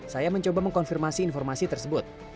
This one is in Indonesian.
saya mencoba mengkonfirmasi informasi tersebut